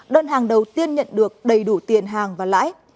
đơn hàng đầu tiên nhận được đầy đủ tiền hàng và lãi